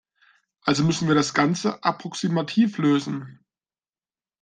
Also müssen wir das Ganze approximativ lösen.